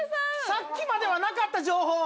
さっきまではなかった情報。